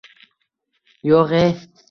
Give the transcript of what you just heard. — Yo‘g‘-e?